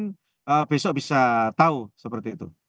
kita harapkan besok bisa tahu seperti itu